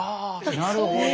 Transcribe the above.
なるほど。